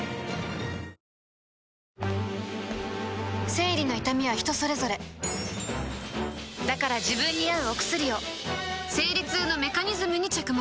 生理の痛みは人それぞれだから自分に合うお薬を生理痛のメカニズムに着目